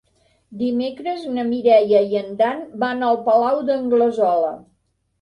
Dimecres na Mireia i en Dan van al Palau d'Anglesola.